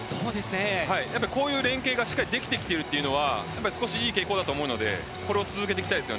こういう連携がしっかりできてきているというのは少しいい傾向だと思うのでこれを続けていきたいです。